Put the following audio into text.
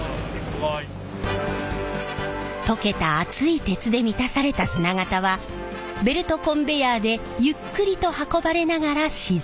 すごい。溶けた熱い鉄で満たされた砂型はベルトコンベヤーでゆっくりと運ばれながら自然冷却。